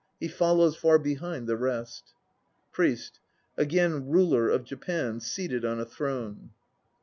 He follows far behind the rest. PRIEST (again ruler * of Japan, seated on a throne).